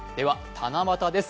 七夕です。